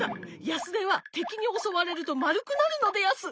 ヤスデはてきにおそわれるとまるくなるのでやす。